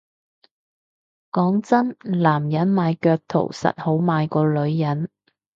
講真男人賣腳圖實好賣過女人